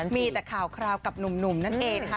มีแต่ข่าวคราวกับหนุ่มนั่นเองค่ะ